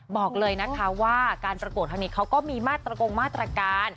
บอกเลยนะคะว่าการประกวดครั้งนี้เขาก็มีมาตรกงมาตรการ